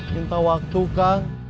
minta waktu kang